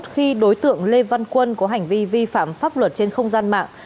khi đối tượng lê văn quân có hành vi vi phạm pháp luật trên không gian mạng